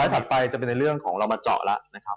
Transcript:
ถัดไปจะเป็นในเรื่องของเรามาเจาะแล้วนะครับ